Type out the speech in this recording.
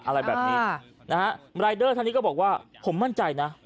อะไรแบบนี้นะฮะรายเดอร์ท่านนี้ก็บอกว่าผมมั่นใจนะ